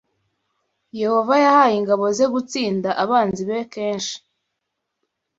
Yehova yahaye ingabo ze gutsinda abanzi be kenshi